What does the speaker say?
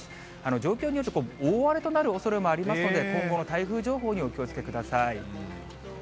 状況によって大荒れとなるおそれもありますので、今後の台風情報にお気をつけください。